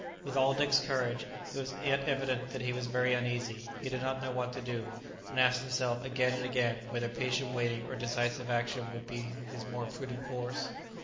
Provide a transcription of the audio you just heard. With all Dick's courage, it was yet evident that he was very uneasy; he did not know what to do, and asked himself again and again whether patient waiting or decisive action would be his more prudent course.